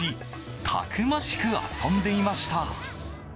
たくましく遊んでいました。